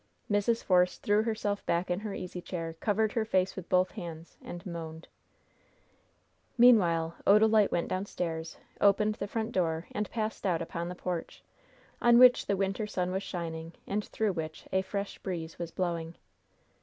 Mrs. Force threw herself back in her easy chair, covered her face with both hands, and moaned. Meanwhile Odalite went downstairs, opened the front door, and passed out upon the porch, on which the winter sun was shining, and through which a fresh breeze was blowing.